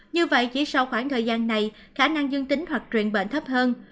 như vậy chỉ sau khoảng thời gian này khả năng dương tính hoặc truyền bệnh thấp hơn